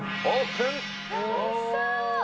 おいしそう。